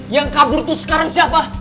yang kabur itu sekarang siapa